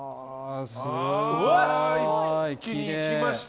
一気にいきました。